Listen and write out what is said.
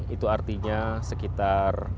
itu artinya sekitar